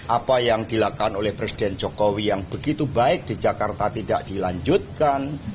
apa yang dilakukan oleh presiden jokowi yang begitu baik di jakarta tidak dilanjutkan